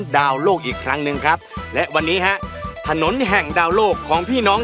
ดาวโลกอีกครั้งหนึ่งครับและวันนี้ฮะถนนแห่งดาวโลกของพี่น้อง